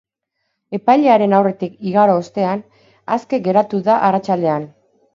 Epailearen aurretik igaro ostean, aske geratu da arratsaldean.